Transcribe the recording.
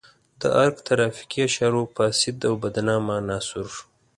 د ارګ ترافیکي اشارو فاسد او بدنامه عناصر.